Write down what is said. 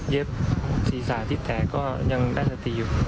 เย็บสีสาที่แตกก็ยังได้สติอยู่